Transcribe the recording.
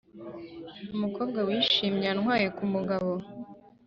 umukobwa wishimye yantwaye kumugabo,